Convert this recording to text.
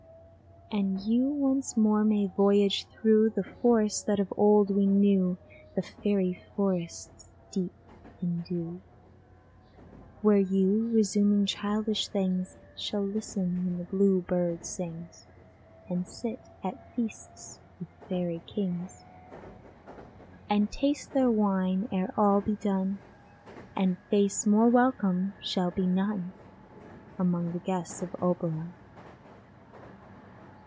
And you once more may voyage through The forests that of old we knew, The fairy forests deep in dew, Where you, resuming childish things, Shall listen when the Blue Bird sings, And sit at feasts with fairy kings, And taste their wine, ere all be done, And face more welcome shall be none Among the guests of Oberon.